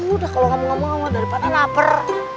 udah kalau gak mau gak mau daripada lapar